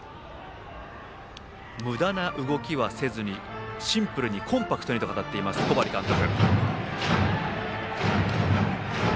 むだな動きはせずにシンプルにコンパクトにと語っています、小針監督。